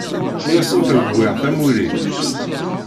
Ur asent-rewwiɣ tamuli.